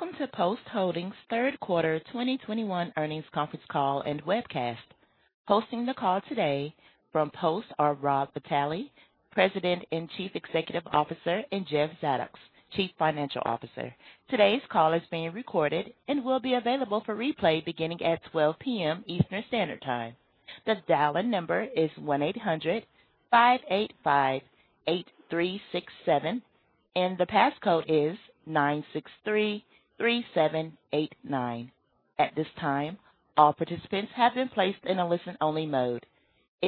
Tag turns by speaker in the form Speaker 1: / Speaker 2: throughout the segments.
Speaker 1: Welcome to Post Holdings' third quarter 2021 earnings conference call and webcast. Hosting the call today from Post are Rob Vitale, President and Chief Executive Officer, and Jeff Zadoks, Chief Financial Officer. Today's call is being recorded and will be available for replay beginning at 12:00 P.M. Eastern Standard Time. It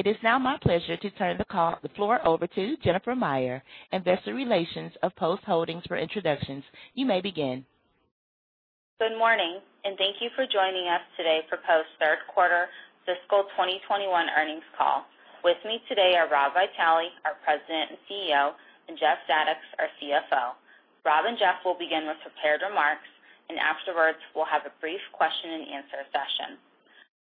Speaker 1: is now my pleasure to turn the floor over to Jennifer Meyer, Investor Relations of Post Holdings for introductions. You may begin.
Speaker 2: Good morning, and thank you for joining us today for Post third quarter fiscal 2021 earnings call. With me today are Rob Vitale, our President and CEO, and Jeff Zadoks, our CFO. Rob and Jeff will begin with prepared remarks and afterwards we'll have a brief question and answer session.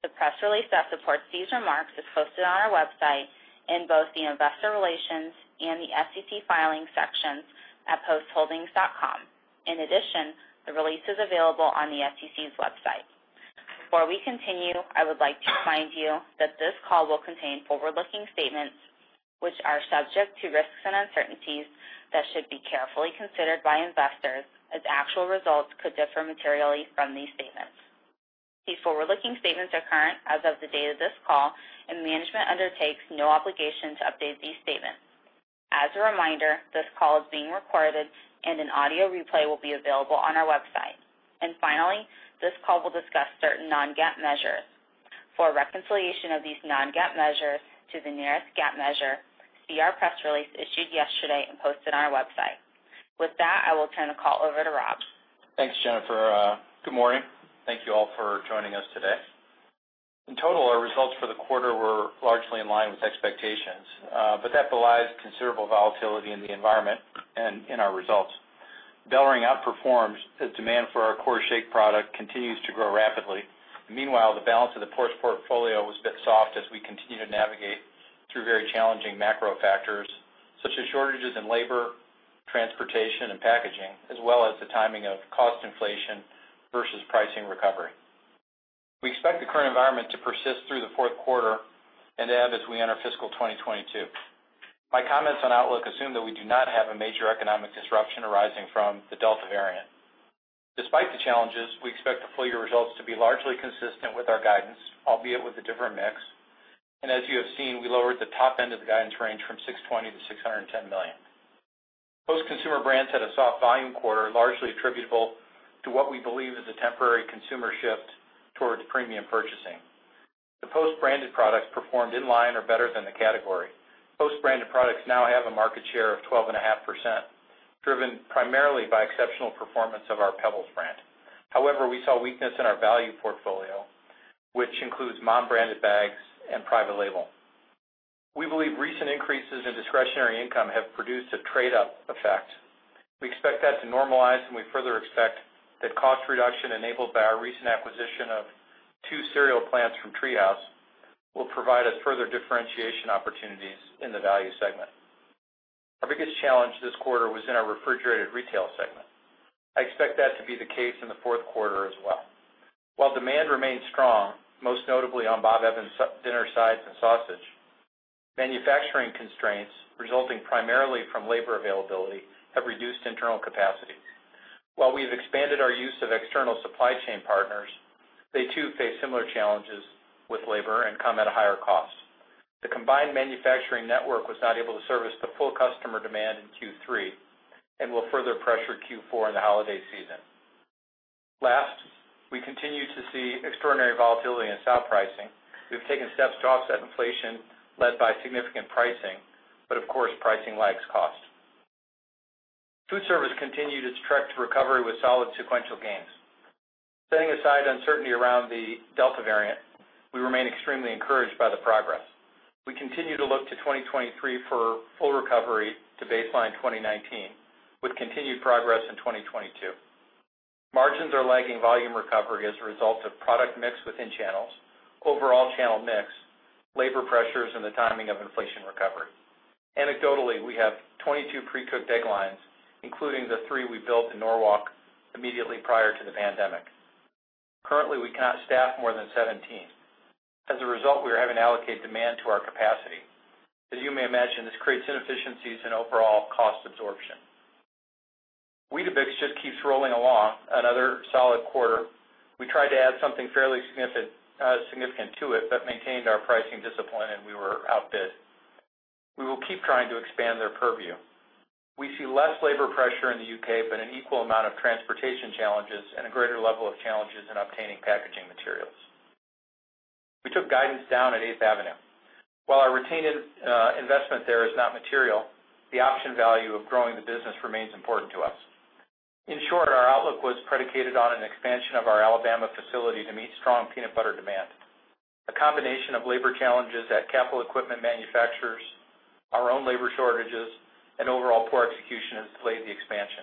Speaker 2: The press release that supports these remarks is posted on our website in both the Investor Relations and the SEC Filings sections at postholdings.com. In addition, the release is available on the SEC's website. Before we continue, I would like to remind you that this call will contain forward-looking statements, which are subject to risks and uncertainties that should be carefully considered by investors, as actual results could differ materially from these statements. These forward-looking statements are current as of the date of this call, and management undertakes no obligation to update these statements. As a reminder, this call is being recorded, and an audio replay will be available on our website. Finally, this call will discuss certain non-GAAP measures. For a reconciliation of these non-GAAP measures to the nearest GAAP measure, see our press release issued yesterday and posted on our website. With that, I will turn the call over to Rob.
Speaker 3: Thanks, Jennifer. Good morning, thank you all for joining us today. In total, our results for the quarter were largely in line with expectations, but that belies considerable volatility in the environment and in our results. BellRing outperformed as demand for our core shake product continues to grow rapidly. Meanwhile, the balance of the Post portfolio was a bit soft as we continue to navigate through very challenging macro factors, such as shortages in labor, transportation, and packaging, as well as the timing of cost inflation versus pricing recovery. We expect the current environment to persist through the fourth quarter and to have as we enter fiscal 2022. My comments on outlook assume that we do not have a major economic disruption arising from the Delta variant. Despite the challenges, we expect the full-year results to be largely consistent with our guidance, albeit with a different mix. As you have seen, we lowered the top end of the guidance range from $620 million to $610 million. Post Consumer Brands had a soft volume quarter, largely attributable to what we believe is a temporary consumer shift towards premium purchasing. The Post-branded products performed in line or better than the category. Post-branded products now have a market share of 12.5%, driven primarily by exceptional performance of our PEBBLES brand. We saw weakness in our value portfolio, which includes MOM branded bags and Private Label. We believe recent increases in discretionary income have produced a trade-up effect. We expect that to normalize, and we further expect that cost reduction enabled by our recent acquisition of two cereal plants from TreeHouse, will provide us further differentiation opportunities in the value segment. Our biggest challenge this quarter was in our refrigerated retail segment. I expect that to be the case in the fourth quarter as well. While demand remains strong, most notably on Bob Evans dinner sides and sausage, manufacturing constraints resulting primarily from labor availability have reduced internal capacity. While we've expanded our use of external supply chain partners, they too face similar challenges with labor and come at a higher cost. The combined manufacturing network was not able to service the full customer demand in Q3 and will further pressure Q4 in the holiday season. Last, we continue to see extraordinary volatility in sow pricing. We've taken steps to offset inflation led by significant pricing, but of course, pricing lags cost. Foodservice continued its trek to recovery with solid sequential gains. Setting aside uncertainty around the Delta variant, we remain extremely encouraged by the progress. We continue to look to 2023 for full recovery to baseline 2019, with continued progress in 2022. Margins are lagging volume recovery as a result of product mix within channels, overall channel mix, labor pressures, and the timing of inflation recovery. Anecdotally, we have 22 pre-cooked egg lines, including the three we built in Norwalk immediately prior to the pandemic. Currently, we cannot staff more than 17. As a result, we are having to allocate demand to our capacity. As you may imagine, this creates inefficiencies in overall cost absorption. Weetabix just keeps rolling along, another solid quarter. We tried to add something fairly significant to it but maintained our pricing discipline, and we were outbid. We will keep trying to expand their purview, we see less labor pressure in the U.K., but an equal amount of transportation challenges and a greater level of challenges in obtaining packaging materials. We took guidance down at 8th Avenue. While our retained investment there is not material, the option value of growing the business remains important to us. In short, our outlook was predicated on an expansion of our Alabama facility to meet strong peanut butter demand. A combination of labor challenges at capital equipment manufacturers, our own labor shortages, and overall poor execution has delayed the expansion.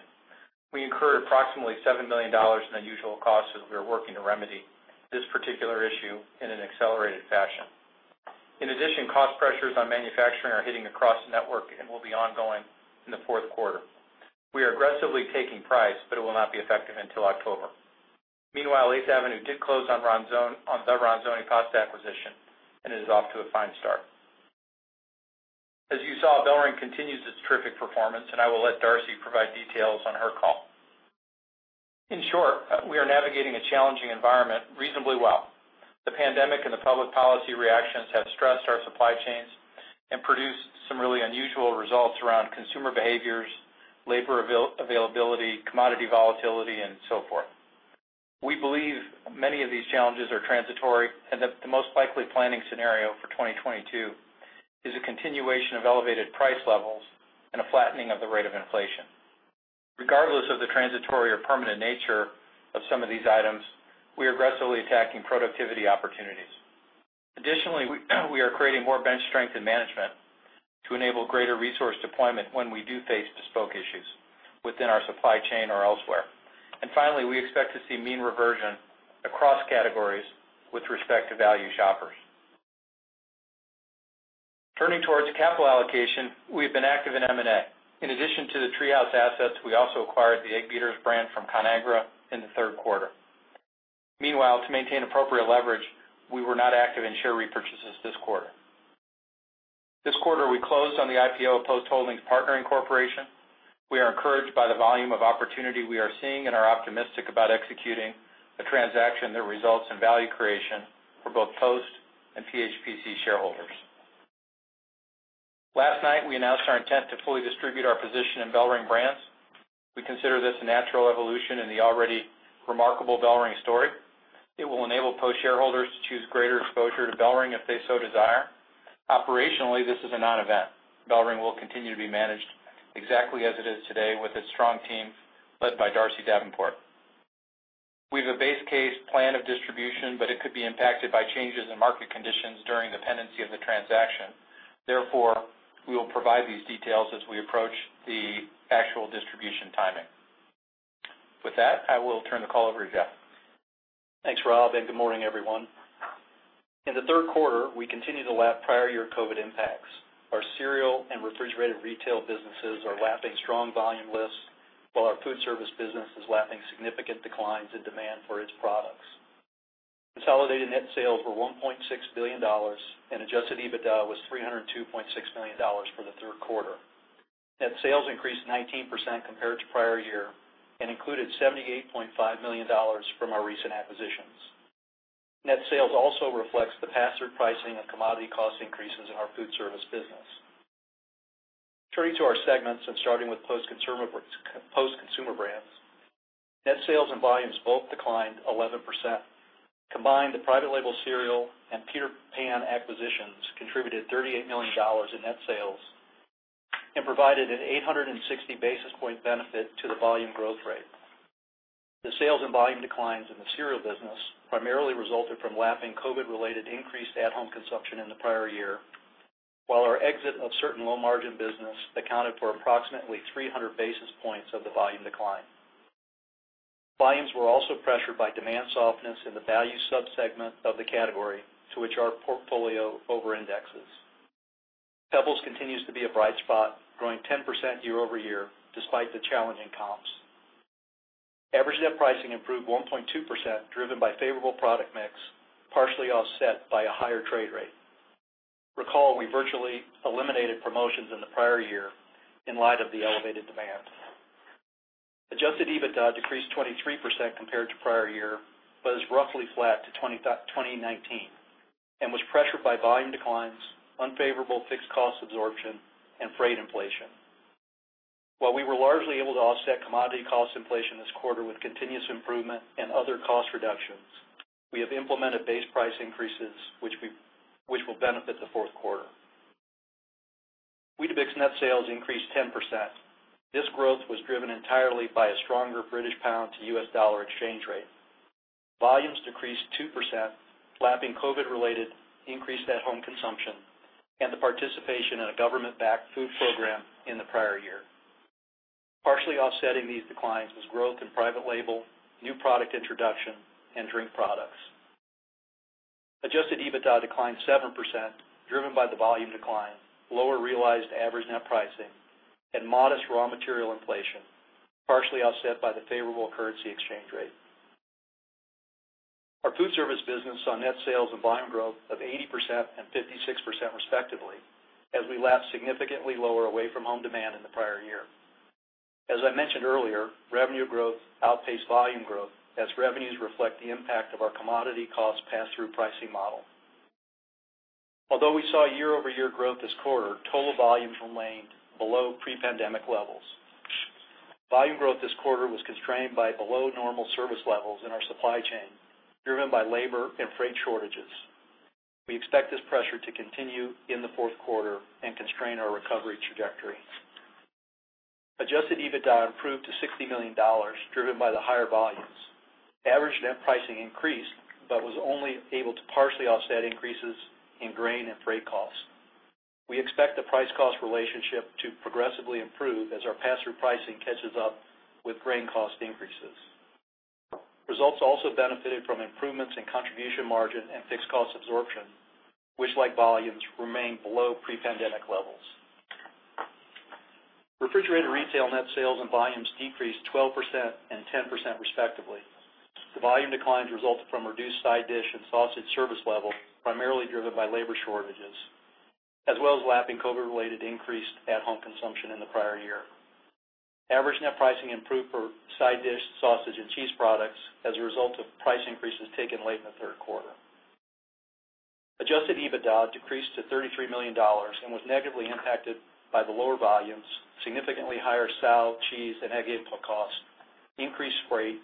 Speaker 3: We incurred approximately $7 million in unusual costs as we are working to remedy this particular issue in an accelerated fashion. Cost pressures on manufacturing are hitting across the network and will be ongoing in the fourth quarter. We are aggressively taking price, but it will not be effective until October. Meanwhile, 8th Avenue did close on the Ronzoni pasta acquisition and is off to a fine start. As you saw, BellRing continues its terrific performance, and I will let Darcy provide details on her call. In short, we are navigating a challenging environment reasonably well. The pandemic and the public policy reactions have stressed our supply chains and produced some really unusual results around consumer behaviors, labor availability, commodity volatility, and so forth. We believe many of these challenges are transitory and that the most likely planning scenario for 2022 is a continuation of elevated price levels and a flattening of the rate of inflation. Regardless of the transitory or permanent nature of some of these items, we are aggressively attacking productivity opportunities. Additionally, we are creating more bench strength in management to enable greater resource deployment when we do face bespoke issues within our supply chain or elsewhere. Finally, we expect to see mean reversion across categories with respect to value shoppers. Turning towards capital allocation, we have been active in M&A. In addition to the TreeHouse assets, we also acquired the Egg Beaters brand from Conagra in the third quarter. Meanwhile, to maintain appropriate leverage, we were not active in share repurchases this quarter. This quarter, we closed on the IPO of Post Holdings Partnering Corporation. We are encouraged by the volume of opportunity we are seeing and are optimistic about executing a transaction that results in value creation for both Post and PHPC shareholders. Last night, we announced our intent to fully distribute our position in BellRing Brands. We consider this a natural evolution in the already remarkable BellRing story. It will enable Post shareholders to choose greater exposure to BellRing if they so desire. Operationally, this is a non-event. BellRing will continue to be managed exactly as it is today with its strong team led by Darcy Davenport. We have a base case plan of distribution, but it could be impacted by changes in market conditions during the pendency of the transaction. Therefore, we will provide these details as we approach the actual distribution timing. With that, I will turn the call over to Jeff.
Speaker 4: Thanks, Rob, and good morning, everyone. In the third quarter, we continue to lap prior year COVID impacts. Our cereal and refrigerated retail businesses are lapping strong volume lists while our food service business is lapping significant declines in demand for its products. Consolidated net sales were $1.6 billion, and Adjusted EBITDA was $302.6 million for the third quarter. Net sales increased 19% compared to prior year. Included $78.5 million from our recent acquisitions. Net sales also reflects the pass-through pricing and commodity cost increases in our food service business. Turning to our segments and starting with Post Consumer Brands, net sales and volumes both declined 11%. Combined, the Private Label cereal and Peter Pan acquisitions contributed $38 million in net sales. Provided an 860 basis point benefit to the volume growth rate. The sales and volume declines in the cereal business primarily resulted from lapping COVID-related increased at-home consumption in the prior year, while our exit of certain low-margin business accounted for approximately 300 basis points of the volume decline. Volumes were also pressured by demand softness in the value sub-segment of the category to which our portfolio over-indexes. PEBBLES continues to be a bright spot, growing 10% year-over-year despite the challenging comps. Average net pricing improved 1.2%, driven by favorable product mix, partially offset by a higher trade rate. Recall, we virtually eliminated promotions in the prior year in light of the elevated demand. Adjusted EBITDA decreased 23% compared to prior year, but is roughly flat to 2019 and was pressured by volume declines, unfavorable fixed cost absorption, and freight inflation. While we were largely able to offset commodity cost inflation this quarter with continuous improvement and other cost reductions, we have implemented base price increases, which will benefit the fourth quarter. Weetabix net sales increased 10%. This growth was driven entirely by a stronger British pound to U.S. dollar exchange rate. Volumes decreased 2%, lapping COVID-related increased at-home consumption and the participation in a government-backed food program in the prior year. Partially offsetting these declines was growth in private label, new product introduction, and drink products. Adjusted EBITDA declined 7%, driven by the volume decline, lower realized average net pricing, and modest raw material inflation, partially offset by the favorable currency exchange rate. Our food service business saw net sales and volume growth of 80% and 56% respectively as we lapped significantly lower away from home demand in the prior year. As I mentioned earlier, revenue growth outpaced volume growth as revenues reflect the impact of our commodity cost pass-through pricing model. Although we saw year-over-year growth this quarter, total volumes remained below pre-pandemic levels. Volume growth this quarter was constrained by below normal service levels in our supply chain, driven by labor and freight shortages. We expect this pressure to continue in the fourth quarter and constrain our recovery trajectory. Adjusted EBITDA improved to $60 million, driven by the higher volumes. Average net pricing increased, but was only able to partially offset increases in grain and freight costs. We expect the price-cost relationship to progressively improve as our pass-through pricing catches up with grain cost increases. Results also benefited from improvements in contribution margin and fixed cost absorption, which like volumes, remain below pre-pandemic levels. Refrigerated retail net sales and volumes decreased 12% and 10% respectively. The volume declines resulted from reduced side dish and sausage service level, primarily driven by labor shortages, as well as lapping COVID-related increased at-home consumption in the prior year. Average net pricing improved for side dish, sausage, and cheese products as a result of price increases taken late in the third quarter. Adjusted EBITDA decreased to $33 million and was negatively impacted by the lower volumes, significantly higher sow, cheese, and egg input costs, increased freight,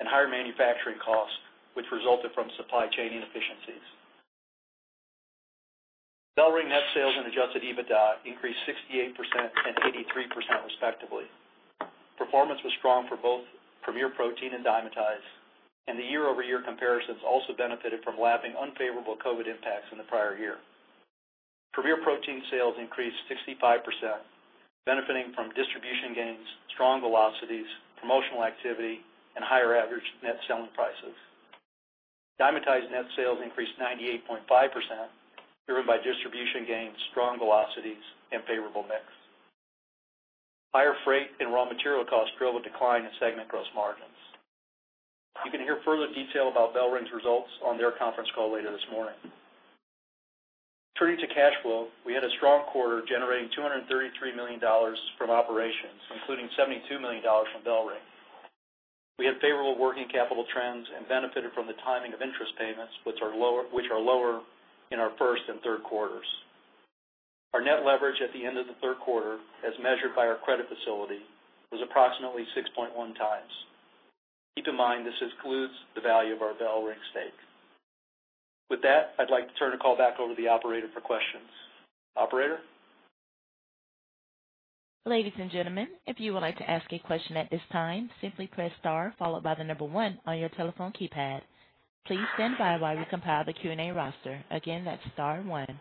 Speaker 4: and higher manufacturing costs, which resulted from supply chain inefficiencies. BellRing net sales and adjusted EBITDA increased 68% and 83% respectively. Performance was strong for both Premier Protein and Dymatize, and the year-over-year comparisons also benefited from lapping unfavorable COVID impacts in the prior year. Premier Protein sales increased 65%, benefiting from distribution gains, strong velocities, promotional activity, and higher average net selling prices. Dymatize net sales increased 98.5%, driven by distribution gains, strong velocities, and favorable mix. Higher freight and raw material costs drove a decline in segment gross margins. You can hear further detail about BellRing's results on their conference call later this morning. Turning to cash flow, we had a strong quarter generating $233 million from operations, including $72 million from BellRing. We had favorable working capital trends and benefited from the timing of interest payments, which are lower in our first and third quarters. Our net leverage at the end of the third quarter, as measured by our credit facility, was approximately 6.1 times. Keep in mind, this includes the value of our BellRing stake. With that, I'd like to turn the call back over to the operator for questions. Operator?
Speaker 1: Ladies and gentlemen, if you would like to ask a question at this time, simply press star followed by one on your telephone keypad. Please stand by while we compile the Q&A roster. Again, that's star one.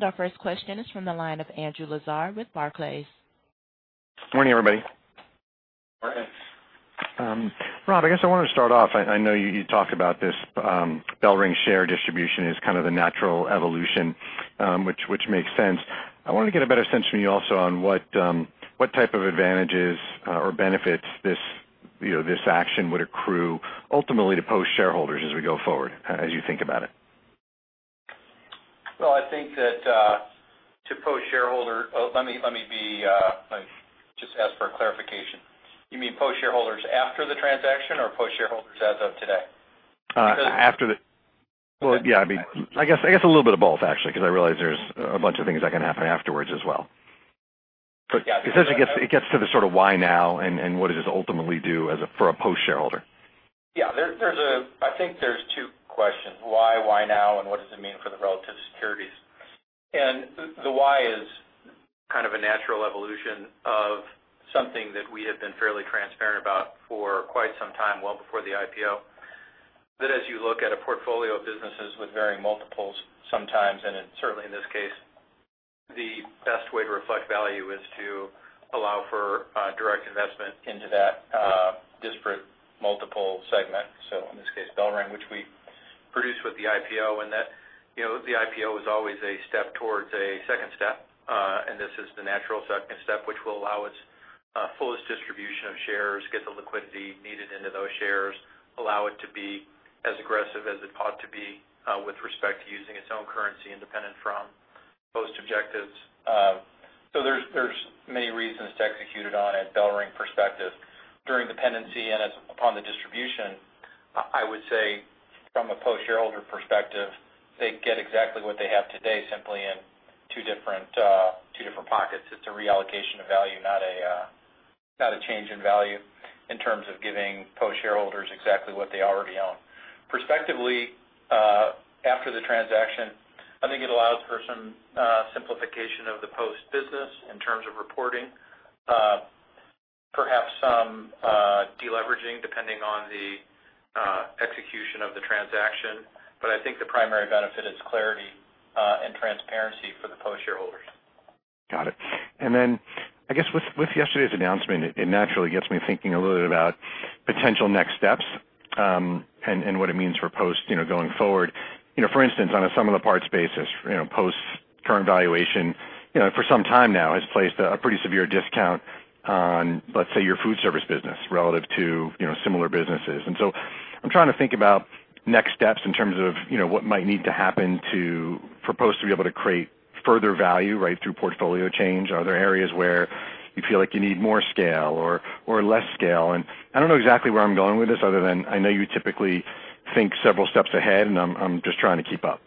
Speaker 1: Our first question is from the line of Andrew Lazar with Barclays.
Speaker 5: Morning, everybody.
Speaker 3: Morning.
Speaker 5: Rob, I guess I wanted to start off, I know you talk about this BellRing share distribution as kind of the natural evolution, which makes sense. I wanted to get a better sense from you also on what type of advantages or benefits this action would accrue ultimately to Post shareholders as we go forward, as you think about it.
Speaker 3: Just ask for a clarification. You mean Post shareholders after the transaction or Post shareholders as of today?
Speaker 5: Well, yeah, I guess a little bit of both, actually, because I realize there's a bunch of things that can happen afterwards as well.
Speaker 3: Yeah. Essentially, it gets to the sort of why now and what does this ultimately do for a Post shareholder? I think there's two questions. Why now, what does it mean for the relative securities? The why is kind of a natural evolution of something that we have been fairly transparent about for quite some time, well before the IPO. That as you look at a portfolio of businesses with varying multiples sometimes, certainly in this case, the best way to reflect value is to allow for direct investment into that disparate multiple segment. In this case, BellRing, which we produced with the IPO, the IPO was always a step towards a second step, this is the natural second step, which will allow its fullest distribution of shares, get the liquidity needed into those shares, allow it to be as aggressive as it ought to be with respect to using its own currency independent from Post objectives. There's many reasons to execute it on a BellRing perspective during dependency and upon the distribution. I would say from a Post shareholder perspective, they get exactly what they have today, simply in two different pockets. It's a reallocation of value, not a change in value in terms of giving Post shareholders exactly what they already own. Prospectively, after the transaction, I think it allows for some simplification of the Post business in terms of reporting. Perhaps some de-leveraging depending on the execution of the transaction. I think the primary benefit is clarity and transparency for the Post shareholders.
Speaker 5: Got it. Then I guess with yesterday's announcement, it naturally gets me thinking a little bit about potential next steps, and what it means for Post going forward. For instance, on a sum-of-the-parts basis, Post's current valuation for some time now has placed a pretty severe discount on, let's say, your food service business relative to similar businesses. I'm trying to think about next steps in terms of what might need to happen for Post to be able to create further value right through portfolio change. Are there areas where you feel like you need more scale or less scale? I don't know exactly where I'm going with this other than I know you typically think several steps ahead, and I'm just trying to keep up.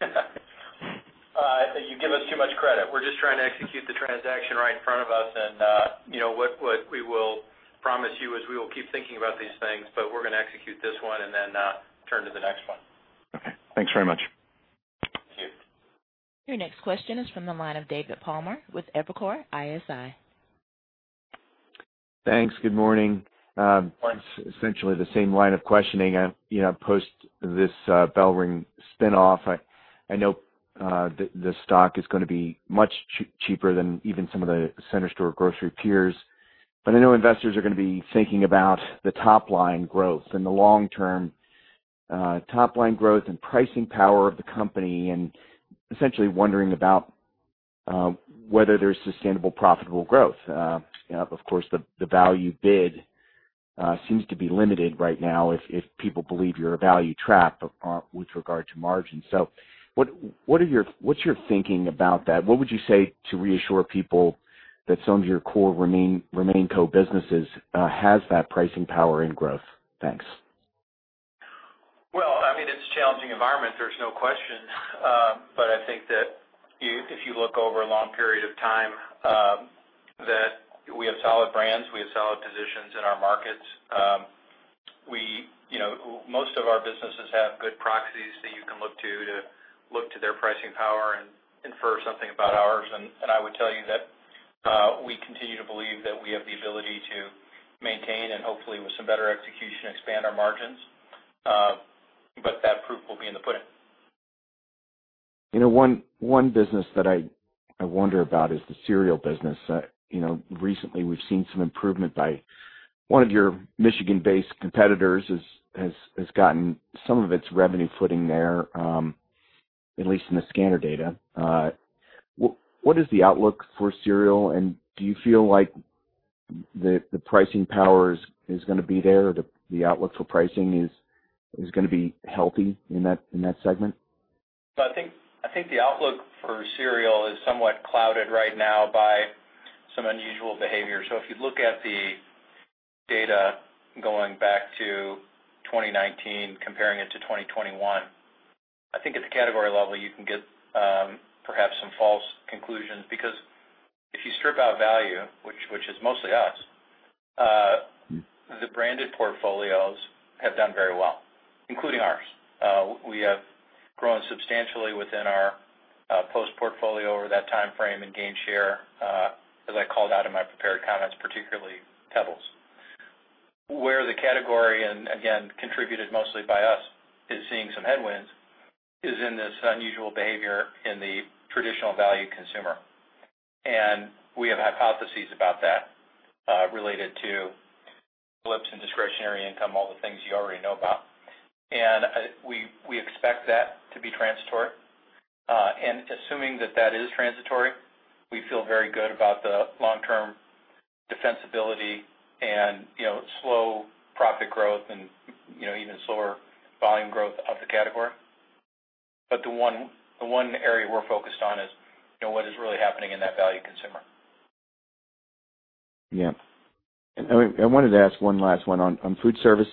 Speaker 4: You give us too much credit. We're just trying to execute the transaction right in front of us. What we will promise you is we will keep thinking about these things, but we're going to execute this one and then turn to the next one.
Speaker 5: Okay. Thanks very much.
Speaker 4: Thank you.
Speaker 1: Your next question is from the line of David Palmer with Evercore ISI.
Speaker 6: Thanks, good morning. Once, essentially the same line of questioning. Post this BellRing spin-off I know the stock is going to be much cheaper than even some of the center store grocery peers, but I know investors are going to be thinking about the top-line growth and the long-term top-line growth and pricing power of the company, and essentially wondering about whether there's sustainable profitable growth. Of course, the value bid seems to be limited right now if people believe you're a value trap with regard to margin. What's your thinking about that? What would you say to reassure people that some of your core remain co-businesses has that pricing power and growth? Thanks.
Speaker 3: Well, it's a challenging environment, there's no question, but I think that if you look over a long period of time, that we have solid brands, we have solid positions in our markets. Most of our businesses have good proxies that you can look to look to their pricing power and infer something about ours. I would tell you that we continue to believe that we have the ability to maintain and hopefully with some better execution, expand our margins. That proof will be in the pudding.
Speaker 6: One business that I wonder about is the cereal business. Recently we've seen some improvement by one of your Michigan-based competitors, has gotten some of its revenue footing there, at least in the scanner data. What is the outlook for cereal, and do you feel like the pricing power is going to be there? The outlook for pricing is going to be healthy in that segment?
Speaker 3: I think the outlook for cereal is somewhat clouded right now by some unusual behavior. If you look at the data going back to 2019, comparing it to 2021, I think at the category level, you can get perhaps some false conclusions. Because if you strip out value, which is mostly us, the branded portfolios have done very well, including ours. We have grown substantially within our Post portfolio over that timeframe and gained share, as I called out in my prepared comments, particularly PEBBLES. Where the category, and again, contributed mostly by us, is seeing some headwinds, is in this unusual behavior in the traditional value consumer. We have hypotheses about that related to blips in discretionary income, all the things you already know about. We expect that to be transitory. Assuming that that is transitory, we feel very good about the long-term defensibility and slow profit growth and even slower volume growth of the category. The one area we're focused on is what is really happening in that value consumer.
Speaker 6: Yeah. I wanted to ask one last one on food service.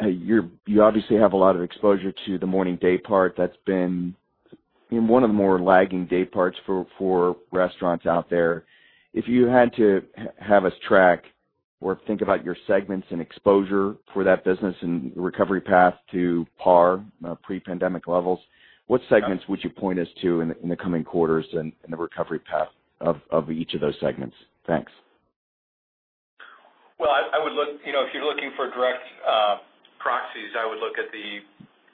Speaker 6: You obviously have a lot of exposure to the morning day part that's been one of the more lagging day parts for restaurants out there. If you had to have us track or think about your segments and exposure for that business and recovery path to par, pre-pandemic levels, what segments would you point us to in the coming quarters and the recovery path of each of those segments? Thanks.
Speaker 3: Well, if you're looking for direct proxies, I would look at the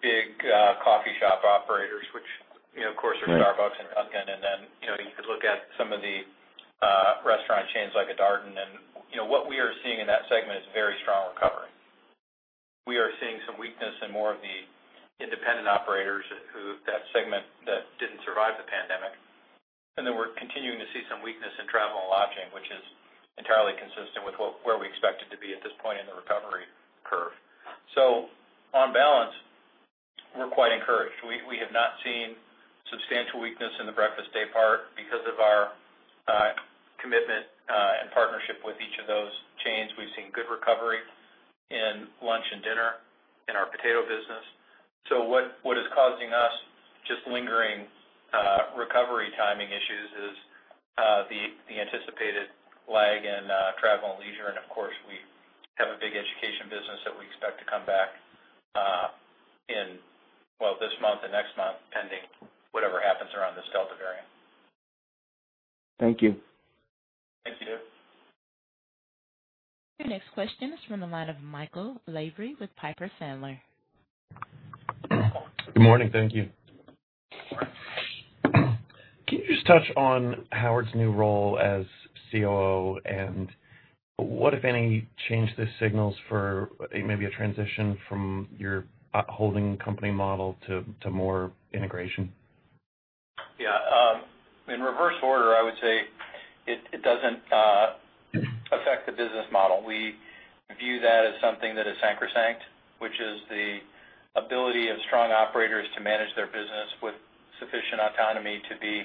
Speaker 3: big coffee shop operators, which of course are Starbucks and Dunkin', and then you could look at some of the restaurant chains like a Darden. What we are seeing in that segment is very strong recovery. We are seeing some weakness in more of the independent operators who, that segment that didn't survive the pandemic, and we're continuing to see some weakness in travel and lodging, which is entirely consistent with where we expect it to be at this point in the recovery curve. On balance, we're quite encouraged. We have not seen substantial weakness in the breakfast day part because of our commitment and partnership with each of those chains. We've seen good recovery in lunch and dinner in our potato business. What is causing us just lingering recovery timing issues is the anticipated lag in travel and leisure. Of course, we have a big education business that we expect to come back in this month and next month, pending whatever happens around this Delta variant.
Speaker 6: Thank you.
Speaker 3: Thank you.
Speaker 1: Your next question is from the line of Michael Lavery with Piper Sandler.
Speaker 7: Good morning, thank you. Can you just touch on Howard's new role as COO and what, if any, change this signals for maybe a transition from your holding company model to more integration?
Speaker 3: Yeah. In reverse order, I would say it doesn't affect the business model. We view that as something that is sacrosanct, which is the ability of strong operators to manage their business with sufficient autonomy to be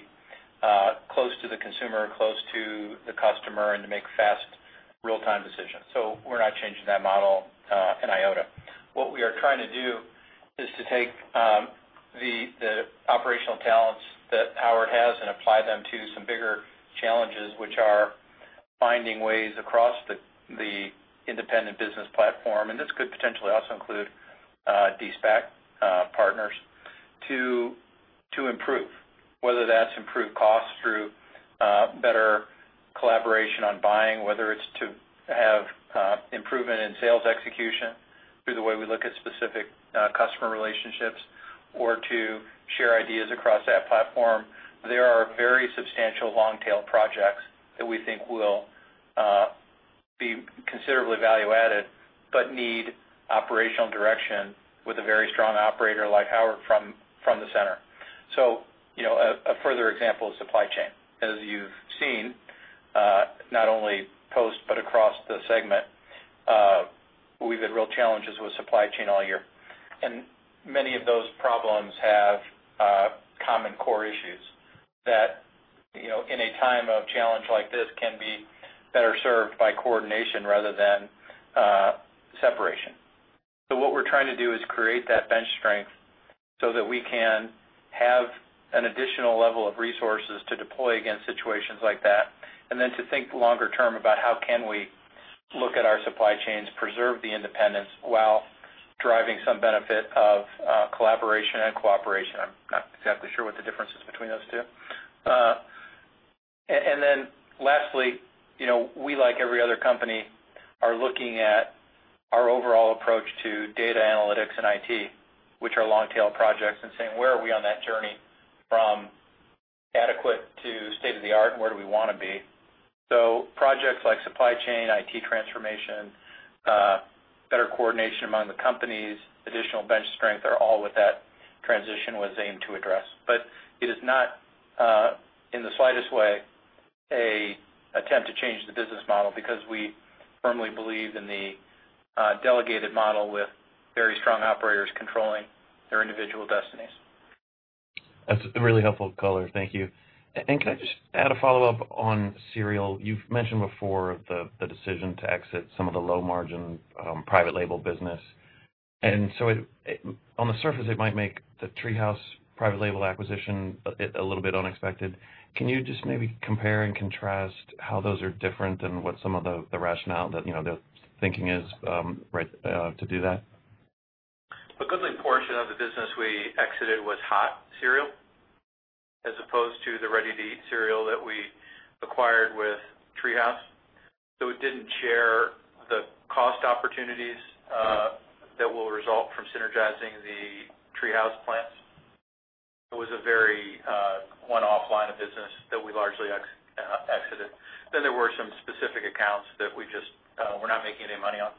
Speaker 3: close to the consumer, close to the customer, and to make fast real-time decisions, so we're not changing that model an iota. What we are trying to do, is to take the operational talents that Howard has and apply them to some bigger challenges, which are finding ways across the independent business platform, and this could potentially also include de-SPAC partners, to improve. Whether that's improved costs through better collaboration on buying, whether it's to have improvement in sales execution through the way we look at specific customer relationships or to share ideas across that platform. There are very substantial long-tail projects that we think will be considerably value-added, but need operational direction with a very strong operator like Howard from the center. A further example is supply chain. As you've seen, not only Post but across the segment, we've had real challenges with supply chain all year. Many of those problems have common core issues that, in a time of challenge like this, can be better served by coordination rather than separation. What we're trying to do is create that bench strength so that we can have an additional level of resources to deploy against situations like that, then to think longer term about how can we look at our supply chains, preserve the independence while driving some benefit of collaboration and cooperation. I'm not exactly sure what the difference is between those two. Lastly, we, like every other company, are looking at our overall approach to data analytics and IT, which are long-tail projects, and saying, where are we on that journey from adequate to state-of-the-art, and where do we want to be? Projects like supply chain, IT transformation, better coordination among the companies, additional bench strength, are all what that transition was aimed to address. It is not, in the slightest way, an attempt to change the business model because we firmly believe in the delegated model with very strong operators controlling their individual destinies.
Speaker 7: That's a really helpful color, thank you. Can I just add a follow-up on cereal? You've mentioned before the decision to exit some of the low-margin Private Label business. On the surface, it might make the TreeHouse Private Label acquisition a little bit unexpected. Can you just maybe compare and contrast how those are different and what some of the rationale, the thinking is to do that?
Speaker 3: A goodly portion of the business we exited was hot cereal as opposed to the ready-to-eat cereal that we acquired with TreeHouse. It didn't share the cost opportunities that will result from synergizing the TreeHouse plants. It was a very one-off line of business that we largely exited. There were some specific accounts that we just were not making any money on.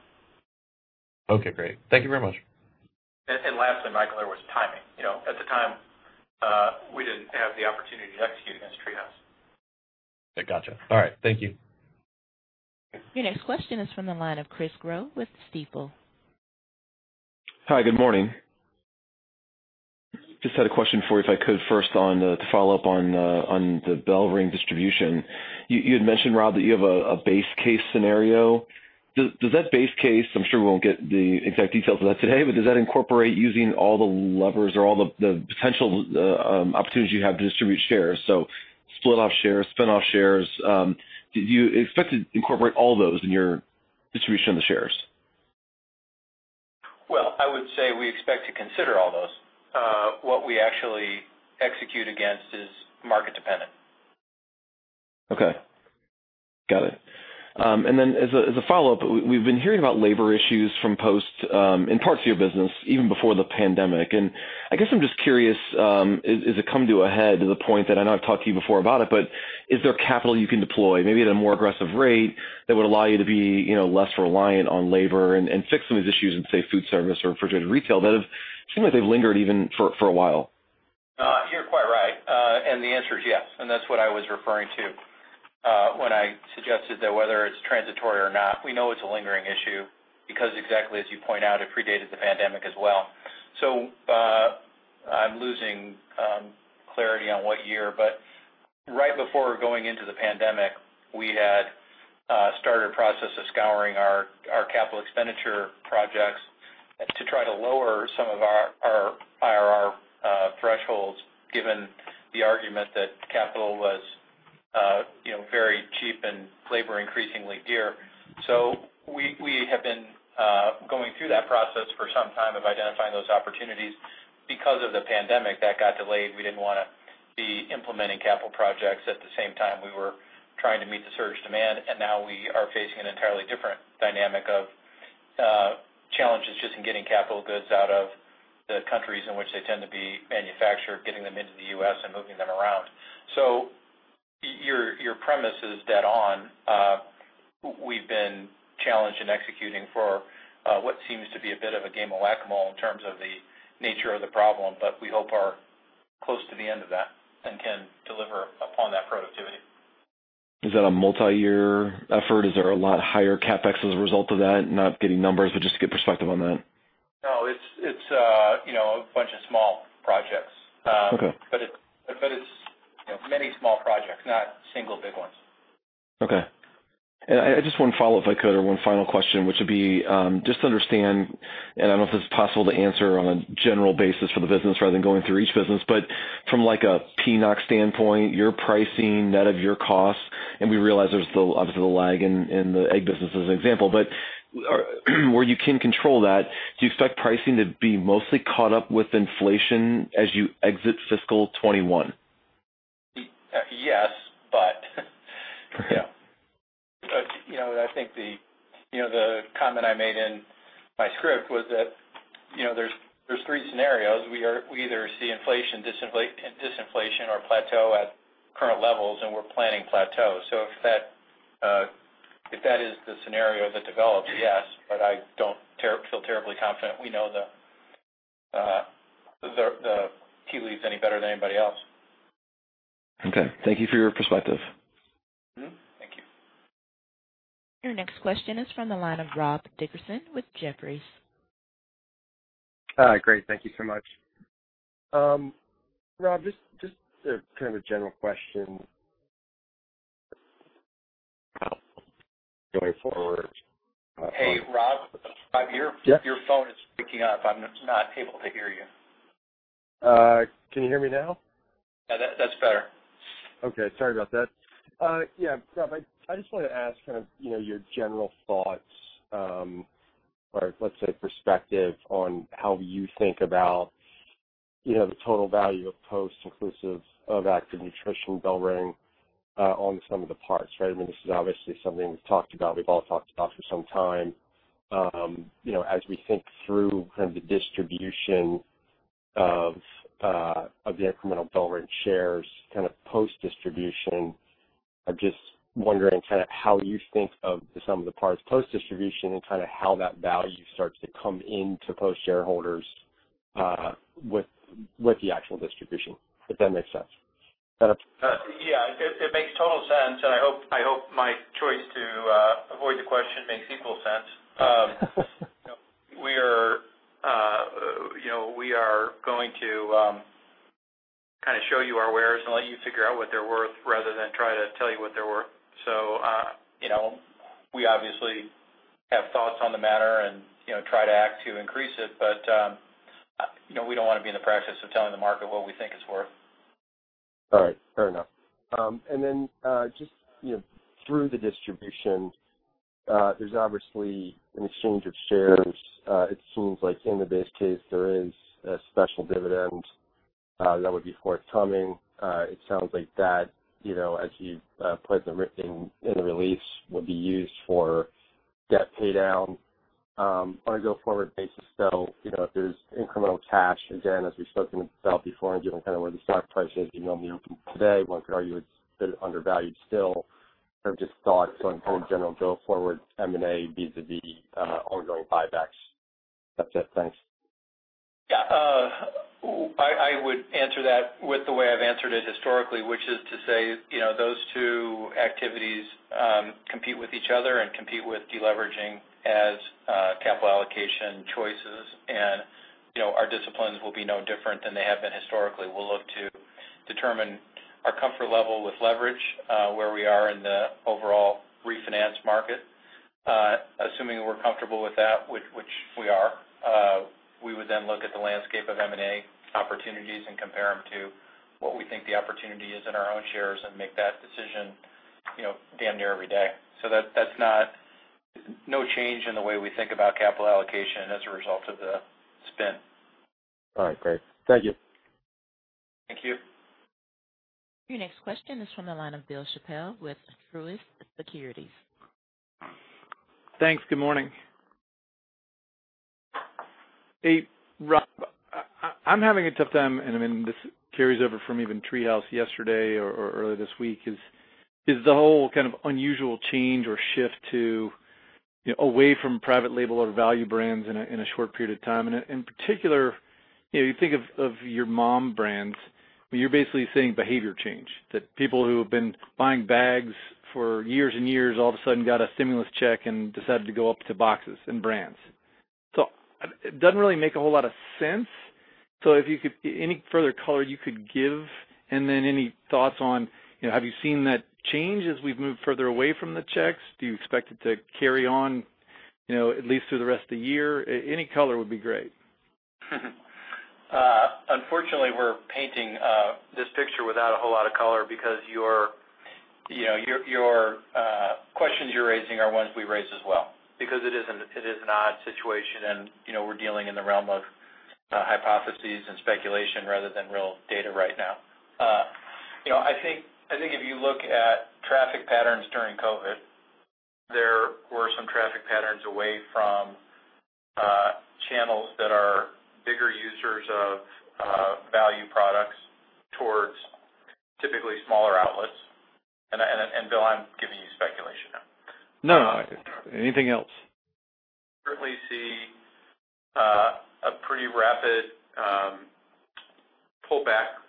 Speaker 7: Okay, great. Thank you very much.
Speaker 3: Lastly, Michael, there was timing. At the time, we didn't have the opportunity to execute against TreeHouse.
Speaker 7: Gotcha. All right. Thank you.
Speaker 1: Your next question is from the line of Chris Growe with Stifel.
Speaker 8: Hi, good morning. Just had a question for you, if I could first on the follow-up on the BellRing distribution. You had mentioned, Rob, that you have a base case scenario. Does that base case, I'm sure we won't get the exact details of that today, but does that incorporate using all the levers or all the potential opportunities you have to distribute shares? Split off shares, spin off shares. Do you expect to incorporate all those in your distribution of the shares?
Speaker 3: Well, I would say we expect to consider all those. What we actually execute against is market dependent.
Speaker 8: Okay. Got it. As a follow-up, we've been hearing about labor issues from Post in parts of your business, even before the pandemic. I guess I'm just curious, is it come to a head to the point that, I know I've talked to you before about it, but is there capital you can deploy, maybe at a more aggressive rate that would allow you to be less reliant on labor and fix some of these issues in, say, food service or refrigerated retail that have seemed like they've lingered even for a while?
Speaker 3: You're quite right. The answer is yes, and that's what I was referring to when I suggested that whether it's transitory or not, we know it's a lingering issue because exactly as you point out, it predated the pandemic as well. I'm losing clarity on what year, but right before going into the pandemic, we had started a process of scouring our capital expenditure projects to try to lower some of our IRR thresholds, given the argument that capital was very cheap and labor increasingly dear. Because of the pandemic, that got delayed. We didn't want to be implementing capital projects at the same time we were trying to meet the surge demand. Now we are facing an entirely different dynamic of challenges just in getting capital goods out of the countries in which they tend to be manufactured, getting them into the U.S. and moving them around. Your premise is dead on. We've been challenged in executing for what seems to be a bit of a game of whack-a-mole in terms of the nature of the problem, but we hope are close to the end of that and can deliver upon that productivity.
Speaker 8: Is that a multi-year effort? Is there a lot higher CapEx as a result of that? Not getting numbers, but just to get perspective on that.
Speaker 3: No, it's a bunch of small projects.
Speaker 8: Okay.
Speaker 3: It's many small projects, not single big ones.
Speaker 8: Okay. Just one follow-up if I could, or one final question, which would be just to understand, and I don't know if this is possible to answer on a general basis for the business rather than going through each business. From like a PNOC standpoint, your pricing net of your costs, and we realize there's obviously the lag in the egg business as an example. Where you can control that, do you expect pricing to be mostly caught up with inflation as you exit fiscal 2021?
Speaker 3: Yes. I think the comment I made in my script was that there's three scenarios. We either see inflation, disinflation, or plateau at current levels, and we're planning plateau. If that is the scenario that develops, yes, but I don't feel terribly confident we know the tea leaves any better than anybody else.
Speaker 8: Okay. Thank you for your perspective.
Speaker 3: Mm-hmm. Thank you.
Speaker 1: Your next question is from the line of Rob Dickerson with Jefferies.
Speaker 9: Great. Thank you so much. Rob, just kind of a general question.
Speaker 3: Hey, Rob. Rob, you hear?
Speaker 9: Yeah.
Speaker 3: Your phone is breaking up. I'm not able to hear you.
Speaker 9: Can you hear me now?
Speaker 3: Yeah, that's better.
Speaker 9: Okay. Sorry about that. Yeah, Rob, I just want to ask your general thoughts or let's say perspective on how you think about the total value of Post inclusive of Active Nutrition BellRing Brands on the sum of the parts, right? I mean, this is obviously something we've all talked about for some time. As we think through the distribution of the incremental BellRing Brands shares, post-distribution, I'm just wondering how you think of the sum of the parts post-distribution and how that value starts to come into Post shareholders with the actual distribution, if that makes sense.
Speaker 3: Yeah. It makes total sense. I hope my choice to avoid the question makes equal sense. We are going to show you our wares and let you figure out what they're worth rather than try to tell you what they're worth. We obviously have thoughts on the matter and try to act to increase it. We don't want to be in the practice of telling the market what we think it's worth.
Speaker 9: All right, fair enough. Just through the distribution, there's obviously an exchange of shares. It seems like in the base case, there is a special dividend that would be forthcoming. It sounds like that, as you put in the release, will be used for debt paydown on a go-forward basis. If there's incremental cash, again, as we've spoken with Sal before and given where the stock price is, even opening today, one could argue it's a bit undervalued still. Just thoughts on general go-forward M&A vis-a-vis ongoing buybacks. That's it. Thanks.
Speaker 3: I would answer that with the way I've answered it historically, which is to say those two activities compete with each other and compete with de-leveraging as capital allocation choices. Our disciplines will be no different than they have been historically. We'll look to determine our comfort level with leverage, where we are in the overall refinance market. Assuming we're comfortable with that, which we are, we would then look at the landscape of M&A opportunities and compare them to what we think the opportunity is in our own shares and make that decision damn near every day. That's no change in the way we think about capital allocation as a result of the spin.
Speaker 9: All right, great. Thank you.
Speaker 3: Thank you.
Speaker 1: Your next question is from the line of Bill Chappell with Truist Securities.
Speaker 10: Thanks, good morning. Hey, Rob, I'm having a tough time, and this carries over from even TreeHouse yesterday or earlier this week is the whole kind of unusual change or shift away from Private Label or value brands in a short period of time. In particular, you think of your MOM Brands, you're basically seeing behavior change, that people who have been buying bags for years and years all of a sudden got a stimulus check and decided to go up to boxes and brands. It doesn't really make a whole lot of sense. Any further color you could give, and then any thoughts on, have you seen that change as we've moved further away from the checks? Do you expect it to carry on at least through the rest of the year? Any color would be great.
Speaker 3: Unfortunately, we're painting this picture without a whole lot of color because your questions you're raising are ones we raised as well, because it is an odd situation, and we're dealing in the realm of hypotheses and speculation rather than real data right now. I think if you look at traffic patterns during COVID, there were some traffic patterns away from channels that are bigger users of value products towards typically smaller outlets. Bill, I'm giving you speculation now.
Speaker 10: No, anything else.
Speaker 3: Certainly see a pretty rapid pullback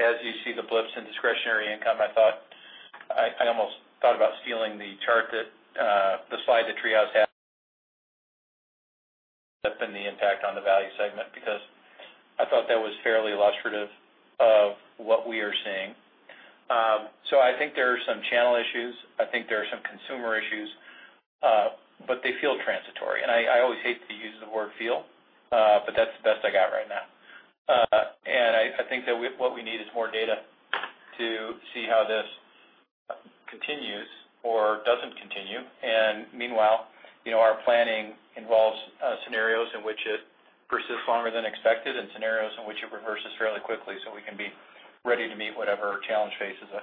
Speaker 3: as you see the blips in discretionary income. I almost thought about stealing the slide that TreeHouse had and the impact on the value segment, because I thought that was fairly illustrative of what we are seeing. I think there are some channel issues, I think there are some consumer issues, but they feel transitory. I always hate to use the word feel, but that's the best I got right now. I think that what we need is more data to see how this continues or doesn't continue. Meanwhile, our planning involves scenarios in which it persists longer than expected and scenarios in which it reverses fairly quickly, so we can be ready to meet whatever challenge faces us.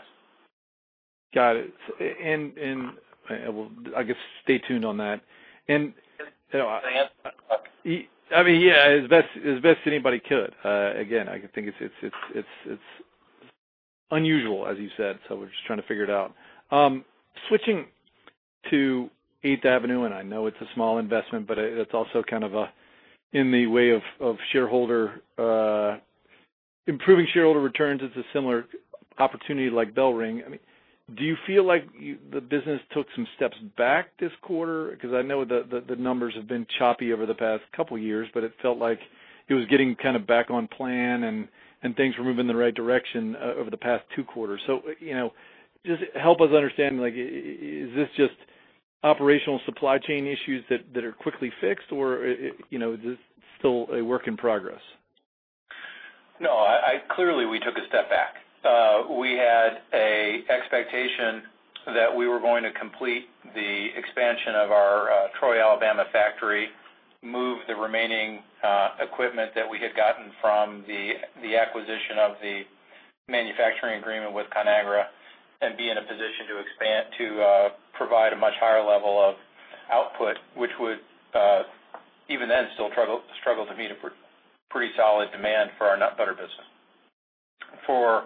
Speaker 10: Got it. I guess stay tuned on that.
Speaker 3: Can I add?
Speaker 10: Yeah, as best anybody could. Again, I think it's unusual as you said, so we're just trying to figure it out. Switching to 8th Avenue, I know it's a small investment, it's also kind of in the way of improving shareholder returns. It's a similar opportunity like BellRing. Do you feel like the business took some steps back this quarter? I know the numbers have been choppy over the past couple of years, it felt like it was getting back on plan and things were moving in the right direction over the past two quarters. Just help us understand, is this just operational supply chain issues that are quickly fixed or is this still a work in progress?
Speaker 3: No, clearly we took a step back. We had an expectation that we were going to complete the expansion of our Troy, Alabama factory, move the remaining equipment that we had gotten from the acquisition of the manufacturing agreement with Conagra, and be in a position to expand to provide a much higher level of output. Which would, even then, still struggle to meet a pretty solid demand for our nut butter business. For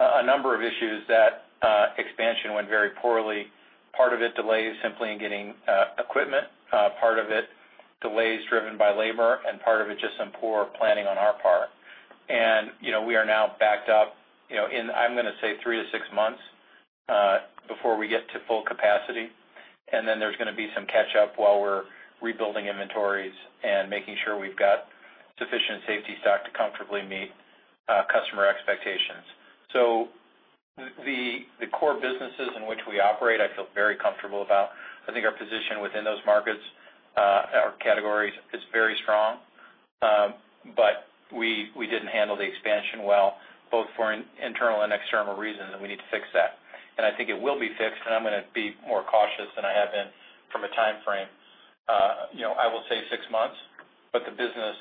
Speaker 3: a number of issues, that expansion went very poorly. Part of it, delays simply in getting equipment, part of it delays driven by labor, and part of it just some poor planning on our part. We are now backed up in, I'm going to say 3-6 months before we get to full capacity. There's going to be some catch up while we're rebuilding inventories and making sure we've got sufficient safety stock to comfortably meet customer expectations. The core businesses in which we operate, I feel very comfortable about. I think our position within those markets, our categories, is very strong. We didn't handle the expansion well, both for internal and external reasons, and we need to fix that. I think it will be fixed, and I'm going to be more cautious than I have been from a timeframe. I will say six months, but the business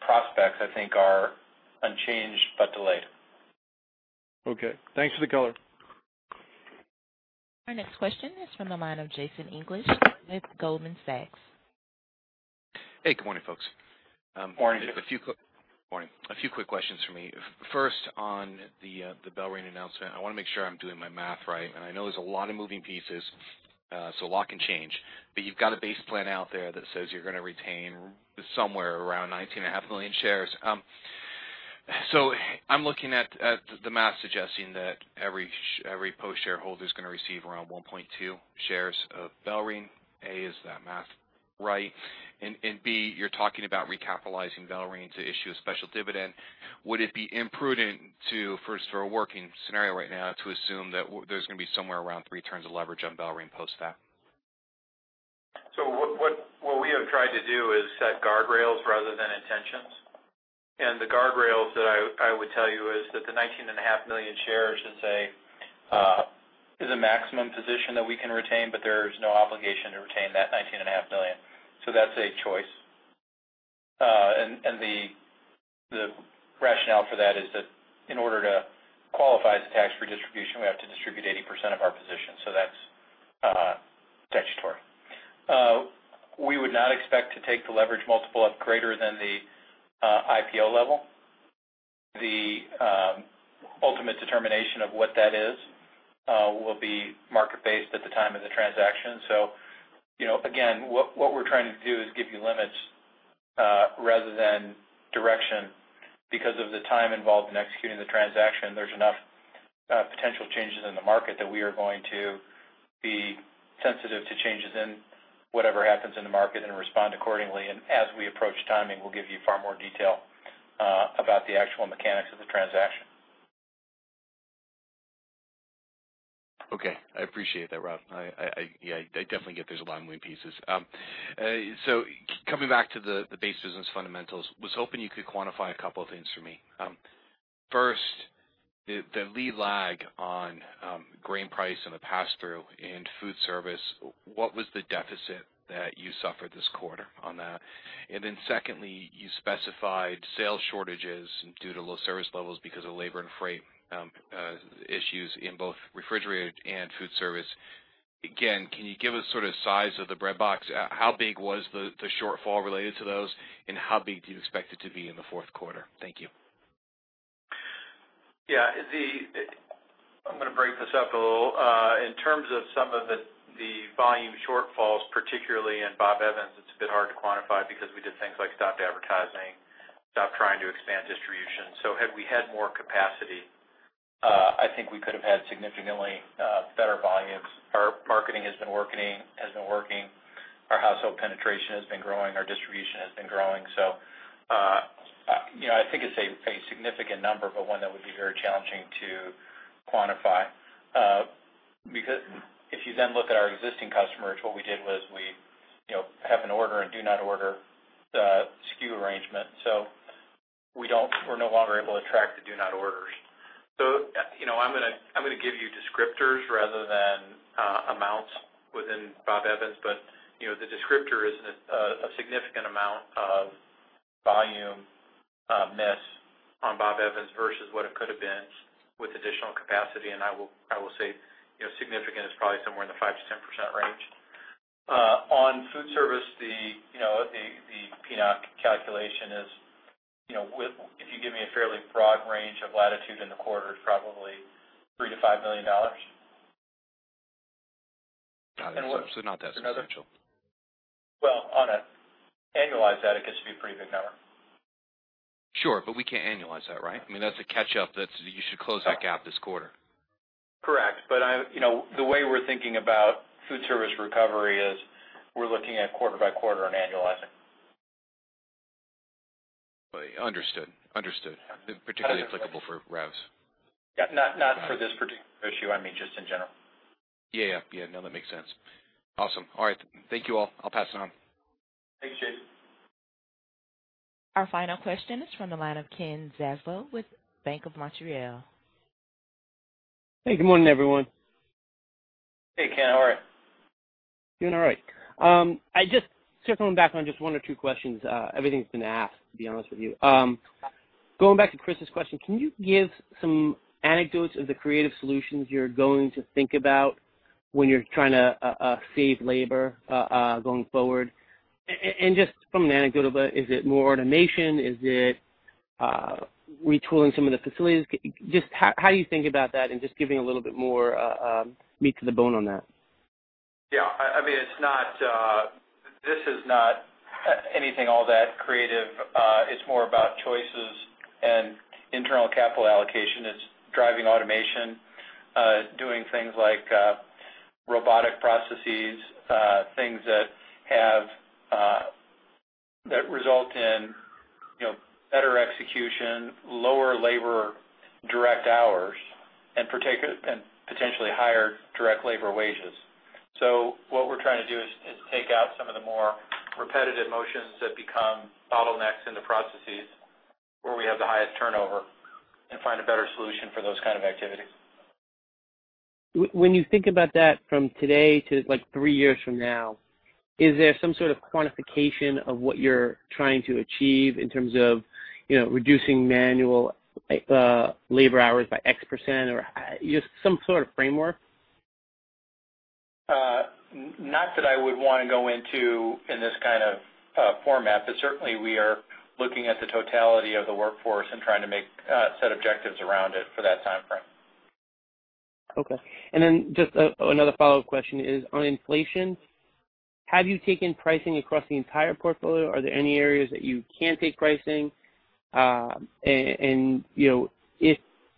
Speaker 3: prospects, I think, are unchanged but delayed.
Speaker 10: Okay. Thanks for the color.
Speaker 1: Our next question is from the line of Jason English with Goldman Sachs.
Speaker 11: Hey, good morning, folks.
Speaker 3: Morning.
Speaker 11: Morning. A few quick questions from me. First, on the BellRing announcement, I want to make sure I'm doing my math right, and I know there's a lot of moving pieces, so a lot can change. You've got a base plan out there that says you're going to retain somewhere around 19.5 million shares. I'm looking at the math suggesting that every Post shareholder is going to receive around 1.2 shares of BellRing. A, is that math right? B, you're talking about recapitalizing BellRing to issue a special dividend. Would it be imprudent to, for a working scenario right now, to assume that there's going to be somewhere around three turns of leverage on BellRing post that?
Speaker 3: What we have tried to do is set guardrails rather than intentions. The guardrails that I would tell you is that the 19.5 million shares is a maximum position that we can retain, but there's no obligation to retain that 19.5 million. That's a choice. The rationale for that is that in order to qualify as a tax-free distribution, we have to distribute 80% of our position. That's statutory. We would not expect to take the leverage multiple up greater than the IPO level. The ultimate determination of what that is will be market-based at the time of the transaction. Again, what we're trying to do is give you limits rather than direction. Because of the time involved in executing the transaction, there's enough potential changes in the market that we are going to be sensitive to changes in whatever happens in the market and respond accordingly. As we approach timing, we'll give you far more detail about the actual mechanics of the transaction.
Speaker 11: Okay. I appreciate that, Rob. I definitely get there's a lot of moving pieces. Coming back to the base business fundamentals, was hoping you could quantify two things for me. First, the lead lag on grain price and the pass-through in food service, what was the deficit that you suffered this quarter on that? Secondly, you specified sales shortages due to low service levels because of labor and freight issues in both refrigerated and food service. Again, can you give us sort of size of the breadbox? How big was the shortfall related to those, and how big do you expect it to be in the fourth quarter? Thank you.
Speaker 3: Yeah. I'm going to break this up a little. In terms of some of the volume shortfalls, particularly in Bob Evans, it's a bit hard to quantify because we did things like stopped advertising, stopped trying to expand distribution. Had we had more capacity, I think we could have had significantly better volumes. Our marketing has been working, our household penetration has been growing, our distribution has been growing. I think it's a significant number, but one that would be very challenging to quantify. If you then look at our existing customers, what we did was we have an order and do not order SKU arrangement. We're no longer able to track the do-not-orders. I'm going to give you descriptors rather than amounts within Bob Evans, but the descriptor is a significant amount of volume miss on Bob Evans versus what it could have been with additional capacity. I will say significant is probably somewhere in the 5%-10% range. On food service, the PNOC calculation is, if you give me a fairly broad range of latitude in the quarter, it's probably $3 million-$5 million.
Speaker 11: Got it. Not that substantial.
Speaker 3: Well, on an annualized that, it gets to be a pretty big number.
Speaker 11: Sure. We can't annualize that, right? I mean, that's a catch-up that you should close that gap this quarter.
Speaker 3: Correct. The way we're thinking about food service recovery is we're looking at quarter by quarter and annualizing.
Speaker 11: Understood. Particularly applicable for revs.
Speaker 3: Yeah. Not for this particular issue. I mean, just in general.
Speaker 11: Yeah. No, that makes sense. Awesome. All right, thank you all. I'll pass it on.
Speaker 3: Thanks, Jason.
Speaker 1: Our final question is from the line of Ken Zaslow with Bank of Montreal.
Speaker 12: Hey, good morning, everyone.
Speaker 3: Hey, Ken. How are you?
Speaker 12: Doing all right. I just circling back on just one or two questions, everything's been asked, to be honest with you. Going back to Chris's question, can you give some anecdotes of the creative solutions you're going to think about when you're trying to save labor going forward? Just from an anecdotal, but is it more automation? Is it retooling some of the facilities? Just how you think about that and just giving a little bit more meat to the bone on that?
Speaker 3: Yeah. This is not anything all that creative. It's more about choices and internal capital allocation. It's driving automation, doing things like robotic processes, things that result in better execution, lower labor direct hours, and potentially higher direct labor wages. What we're trying to do is take out some of the more repetitive motions that become bottlenecks in the processes where we have the highest turnover and find a better solution for those kind of activities.
Speaker 12: When you think about that from today to three years from now, is there some sort of quantification of what you're trying to achieve in terms of reducing manual labor hours by X% or just some sort of framework?
Speaker 3: Not that I would want to go into in this kind of format, but certainly we are looking at the totality of the workforce and trying to set objectives around it for that timeframe.
Speaker 12: Okay. Just another follow-up question is on inflation. Have you taken pricing across the entire portfolio? Are there any areas that you can't take pricing? If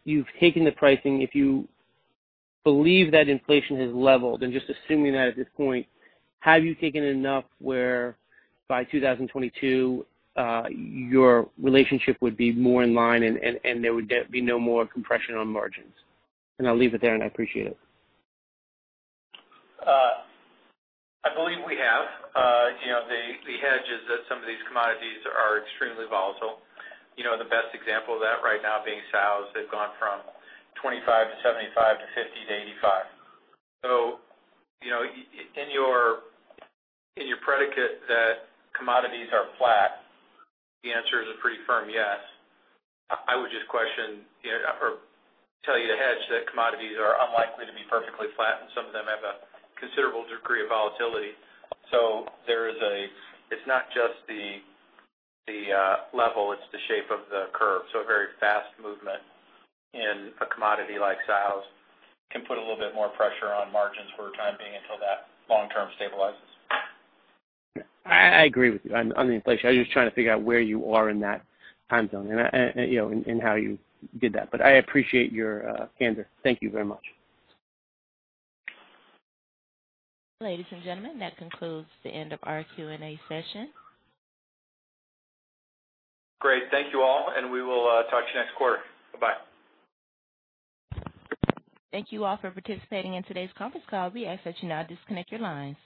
Speaker 12: you've taken the pricing, if you believe that inflation has leveled, just assuming that at this point, have you taken enough where by 2022 your relationship would be more in line and there would be no more compression on margins? I'll leave it there, I appreciate it.
Speaker 3: I believe we have. The hedge is that some of these commodities are extremely volatile. The best example of that right now being sows. They've gone from $25 to $75 to $50 to $85. In your predicate that commodities are flat, the answer is a pretty firm yes. I would just question or tell you to hedge that commodities are unlikely to be perfectly flat, and some of them have a considerable degree of volatility. It's not just the level, it's the shape of the curve. A very fast movement in a commodity like sows can put a little bit more pressure on margins for the time being until that long term stabilizes.
Speaker 12: I agree with you on the inflation. I was just trying to figure out where you are in that time zone and how you did that. I appreciate your candor. Thank you very much.
Speaker 1: Ladies and gentlemen, that concludes the end of our Q&A session.
Speaker 3: Great. Thank you all, and we will talk to you next quarter. Bye-bye.
Speaker 1: Thank you all for participating in today's conference call. We ask that you now disconnect your lines.